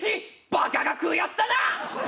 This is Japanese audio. バカが食うやつだな！